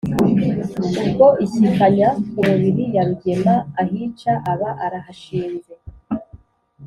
Ubwo “Ishyikanya ku mubiri ya Rugema ahica” aba arahashinze.